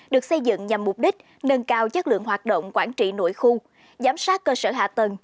được xây dựng nhằm mục đích nâng cao chất lượng hoạt động quản trị nội khu giám sát cơ sở hạ tầng